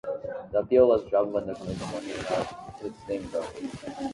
The appeal was dropped when the Commission agreed not to name brothers.